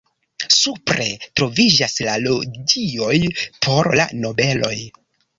Supre troviĝas la loĝioj por la nobeloj.